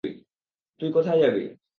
তুই কোথায় যাবি?